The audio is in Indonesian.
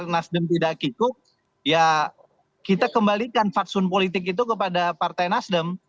nasdem tidak kikuk ya kita kembalikan fatsun politik itu kepada partai nasdem